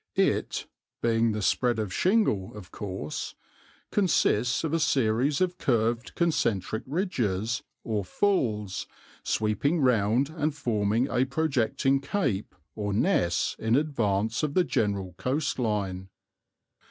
It" (the spread of shingle, of course) "consists of a series of curved concentric ridges, or 'fulls,' sweeping round and forming a projecting cape or 'Ness' in advance of the general coastline."